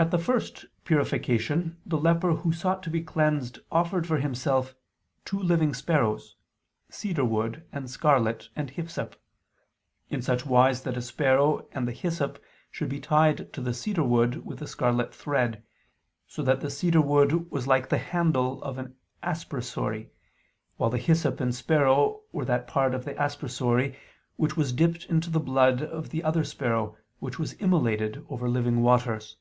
At the first purification the leper who sought to be cleansed offered for himself "two living sparrows ... cedar wood, and scarlet, and hyssop," in such wise that a sparrow and the hyssop should be tied to the cedar wood with a scarlet thread, so that the cedar wood was like the handle of an aspersory: while the hyssop and sparrow were that part of the aspersory which was dipped into the blood of the other sparrow which was "immolated ... over living waters."